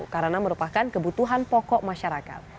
karena merupakan kebutuhan pokok masyarakat